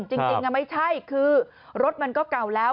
จริงไม่ใช่คือรถมันก็เก่าแล้ว